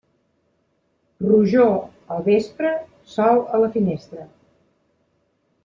Rojor al vespre, sol a la finestra.